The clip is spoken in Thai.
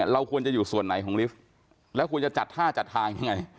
เราควรจะอยู่ส่วนไหนของลิฟท์แล้วควรจะจัดท่าจัดทางยังไง